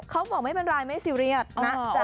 เขาบอกไม่เป็นไรไม่ซีเรียสนะจ๊ะ